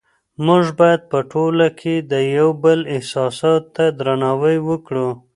موږ باید په ټولنه کې د یو بل احساساتو ته درناوی وکړو